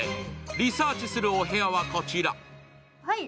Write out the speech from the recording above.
リサーチするお部屋はこちら。